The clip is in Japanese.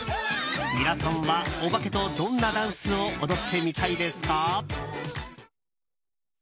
皆さんはおばけとどんなダンスを踊ってみたいですか。